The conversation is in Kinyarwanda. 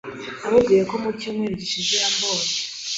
Yamubwiye ko mu cyumweru gishize yambonye.